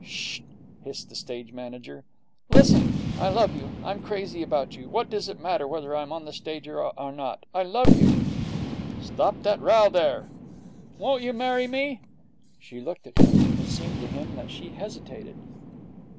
'Sh h!' hissed the stage manager. 'Listen! I love you. I'm crazy about you. What does it matter whether I'm on the stage or not? I love you.' 'Stop that row there!' 'Won't you marry me?' She looked at him. It seemed to him that she hesitated.